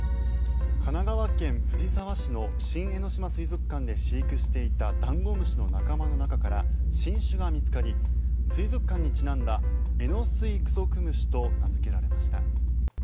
神奈川県藤沢市の新江ノ島水族館で飼育していたダンゴムシの仲間の中から新種が見つかり水族館にちなんだエノスイグソクムシと名付けられました。